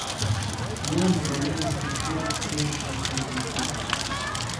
یان به نازی خۆت بمکه پهروهرده